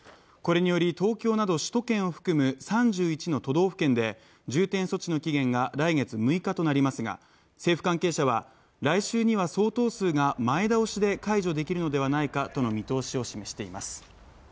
これにより東京など首都圏を含む３１の都道府県で重点措置の期限が来月６日となりますが、政府関係者は、来週には相当数が前倒しで解除できるのではないかとの見通しを示しています。